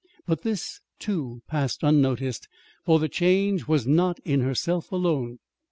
But this, too, passed unnoticed, for the change was not in herself alone.